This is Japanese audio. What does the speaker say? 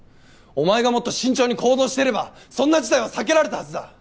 おまえがもっと慎重に行動していればそんな事態は避けられたはずだ。